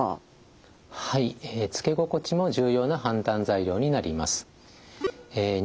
つけ心地も重要な判断材料になります。